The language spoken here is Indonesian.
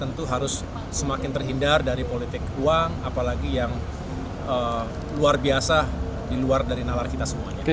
tentu harus semakin terhindar dari politik uang apalagi yang luar biasa di luar dari nalar kita semuanya